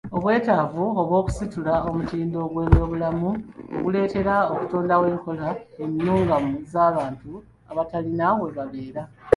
Obwetaavu bw'okusitula omutindo gw'ebyobulamu guleetera okutondawo enkola ennungamu ez'abantu abatalina we babeera.